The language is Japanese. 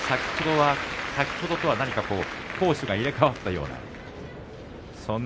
先ほどとは攻守が入れ代わったような感じです。